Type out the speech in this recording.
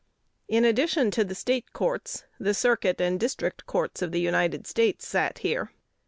In addition to the State courts, the Circuit and District Courts of the United States sat here.